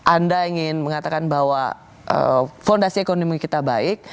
anda ingin mengatakan bahwa fondasi ekonomi kita baik